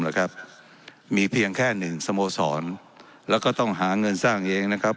นะครับมีเพียงแค่หนึ่งสโมสรแล้วก็ต้องหาเงินสร้างเองนะครับ